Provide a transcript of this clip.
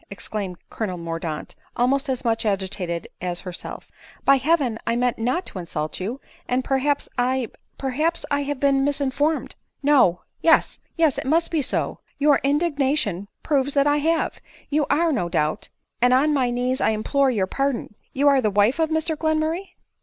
exclaimed co lonel Mordaunt, almost as much agitated as herself ;" by heaven I meant not to insult you ! and perhaps I — per haps I have been misinformed — No ! Yes, yes, it must be so ; your indignation proves that I have — You are, no doubt — and on my knees I implore your pardon — you are the wife of Mr Glenmurray."